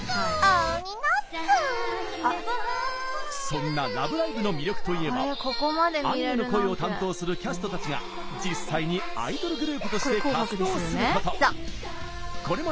そんな「ラブライブ！」の魅力といえばアニメの声を担当するキャストたちが実際にアイドルグループとして活動すること。